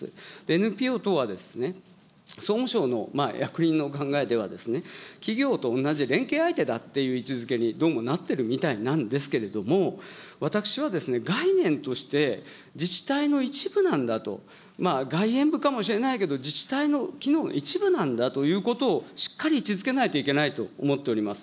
ＮＰＯ等は、総務省の役人の考えでは、企業と同じ連携相手だっていう位置づけに、どうもなってるみたいなんですけれども、私はですね、概念として、自治体の一部なんだと、外円部かもしれないけど、自治体の機能の一部なんだということを、しっかり位置づけないといけないと思っております。